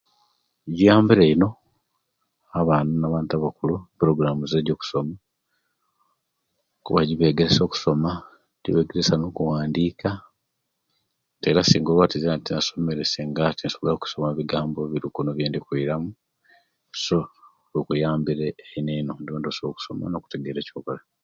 Giyambire ino abaana ne bantu abakulu eprogramu ejokusoma kuba gibegesya okusoma, gibegesya no'kuwandika era singa olwaati zena tinasomere singa tinsobola okusoma ebigambo ebirikuno ebyendikwiramu so kiyambire eineino okusobola okusoma nokutegeera ekyokola